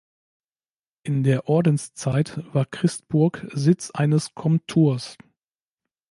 In der Ordenszeit war Christburg Sitz eines Komturs.